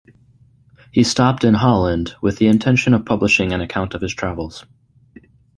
He stopped in Holland with the intention of publishing an account of his travels.